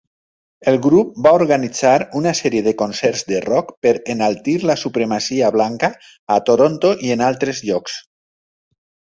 El grup va organitzar una sèrie de concerts de rock per enaltir la supremacia blanca a Toronto i en altres llocs.